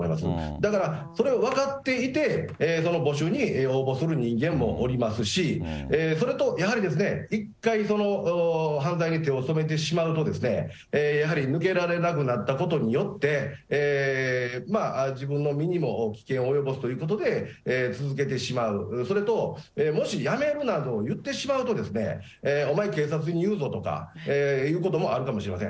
だから、これを分かっていて、その募集に応募する人間もおりますし、それとやはり、一回犯罪に手を染めてしまうと、やはり抜けられなくなったことによって、自分の身にも危険を及ぼすということで、続けてしまう、それともしやめるなど言ってしまうと、お前、警察に言うぞとか言うこともあるかもしれません。